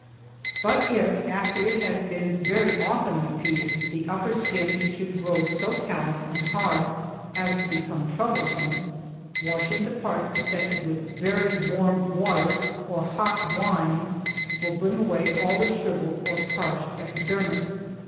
But if, after it has been very often repeated the upper skin should grow so callous and hard as to become troublesome, washing the parts affected with very warm water, or hot wine, will bring away all the shrivelled or parched epidermis.